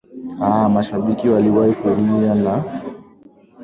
aa mashabiki waliwai kuumia na wengine kuwawa wakati gormahia